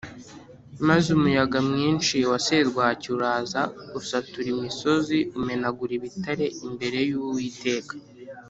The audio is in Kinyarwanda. maze umuyaga mwinshi wa serwakira uraza usatura imisozi umenagurira ibitare imbere y’Uwiteka